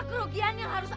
tapi kau menurutmu